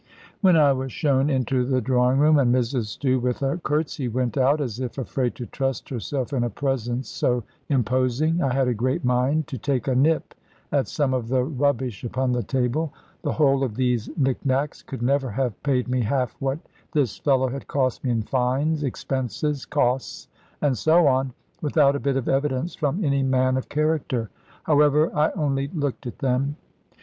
When I was shown into the drawing room, and Mrs Stew with a curtsy went out, as if afraid to trust herself in a presence so imposing, I had a great mind to take a nip at some of the rubbish upon the table. The whole of these nick nacks could never have paid me half what this fellow had cost me in fines, expenses, costs, and so on; without a bit of evidence from any man of character. However, I only looked at them.